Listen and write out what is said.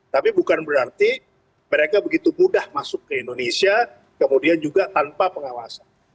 tapi bukan berarti mereka begitu mudah masuk ke indonesia kemudian juga tanpa pengawasan